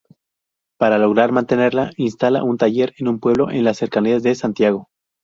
Para lograr mantenerla, instala un taller en un pueblo en las cercanías de Santiago.